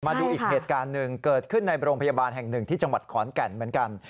มาดูอีกเหตุการณ์หนึ่งเกิดขึ้นในโรงพยาบาลแห่งหนึ่งที่จังหวัดขอนแก่นเหมือนกัน